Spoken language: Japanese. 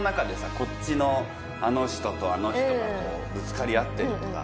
こっちのあの人とあの人がこうぶつかり合ってるとか。